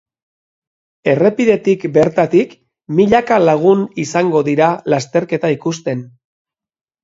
Errepidetik bertatik milaka lagun izango dira lasterketa ikusten.